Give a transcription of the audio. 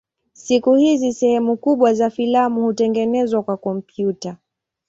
Siku hizi sehemu kubwa za filamu hutengenezwa kwa kompyuta.